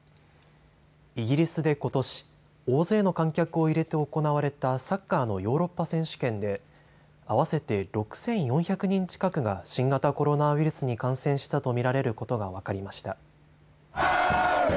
イギリスでことし、大勢の観客を入れて行われたサッカーのヨーロッパ選手権で合わせて６４００人近くが新型コロナウイルスに感染したと見られることが分かりました。